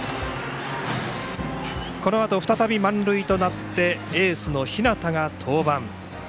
このあと再び満塁となってエースの日當が登板。